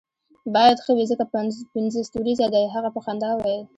باید ښه وي ځکه پنځه ستوریزه دی، هغه په خندا وویل.